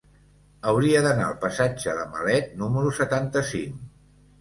Hauria d'anar al passatge de Malet número setanta-cinc.